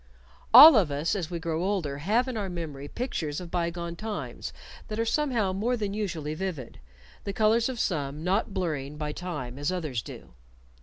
All of us, as we grow older, have in our memory pictures of by gone times that are somehow more than usually vivid, the colors of some not blurring by time as others do.